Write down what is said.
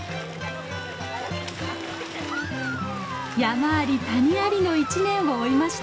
山あり谷ありの一年を追いました。